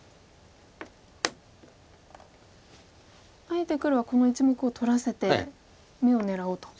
あえて黒はこの１目を取らせて眼を狙おうと。